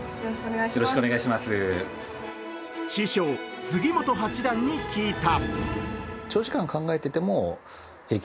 師匠・杉本八段に聞いた。